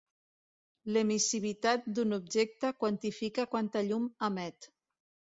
L'emissivitat d'un objecte quantifica quanta llum emet.